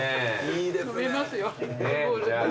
飲めますよ。